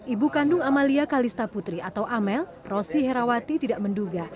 ibu kandung amalia kalista putri atau amel rosi herawati tidak menduga